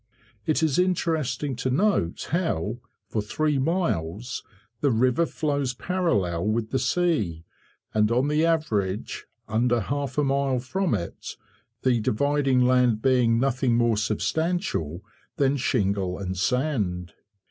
It is interesting to note how, for three miles, the river flows parallel with the sea, and, on the average, under half a mile from it, the dividing land being nothing more substantial than shingle and sand.